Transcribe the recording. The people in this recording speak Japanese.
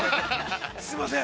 すいません。